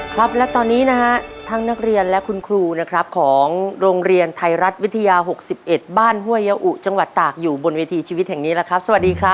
ครับและตอนนี้นะฮะทั้งนักเรียนและคุณครูนะครับของโรงเรียนไทยรัฐวิทยา๖๑บ้านห้วยยาอุจังหวัดตากอยู่บนเวทีชีวิตแห่งนี้แล้วครับสวัสดีครับ